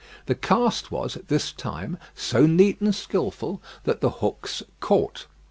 The cast was, this time, so neat and skilful, that the hooks caught.